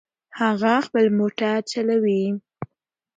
هغه خپل موټر چلوي